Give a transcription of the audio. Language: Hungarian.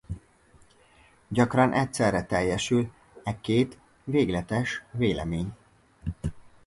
Gyakran egyszerre teljesül e két végletes vélemény.